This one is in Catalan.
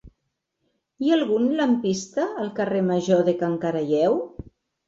Hi ha algun lampista al carrer Major de Can Caralleu?